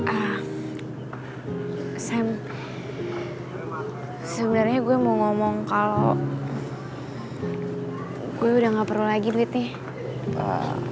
eh sam sebenernya gue mau ngomong kalo gue udah ga perlu lagi duitnya